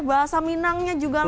bahasa minangnya juga lancar